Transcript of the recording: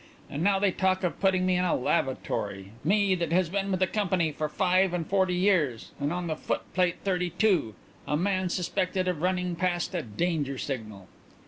And now they talk of putting me in a lavatory me that has been with the company for five and forty years and on the foot plate thirty two a man suspected of running past a danger signal."